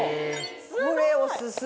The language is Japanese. これおすすめ！